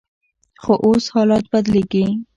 خو اوس حالات بدلیږي.